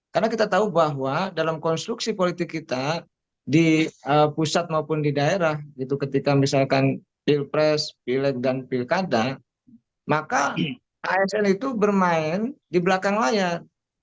karena kita tahu bahwa dalam konstruksi politik kita di pusat maupun di daerah gitu ketika misalkan pilpres pilat dan pilkada maka asn itu bermain di belakang layar